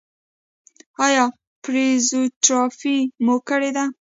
ایا فزیوتراپي مو کړې ده؟